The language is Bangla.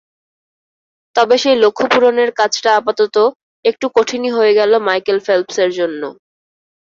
তবে সেই লক্ষ্যপূরণের কাজটা আপাতত একটু কঠিনই হয়ে গেল মাইকেল ফেল্প্সের জন্য।